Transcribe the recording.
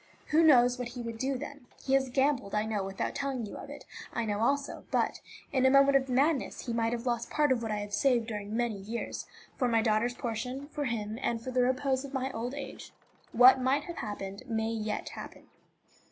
Who knows what he would do then! He has gambled, I know; without telling you of it, I know also, but, in a moment of madness, he might have lost part of what I have saved, during many years, for my daughter's portion, for him, and for the repose of my old age. What might have happened may yet happen.